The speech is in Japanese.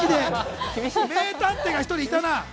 名探偵が１人いたな。